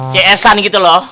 cs an gitu loh